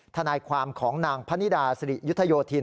ทนายความของนางพนิดาสิริยุทธโยธิน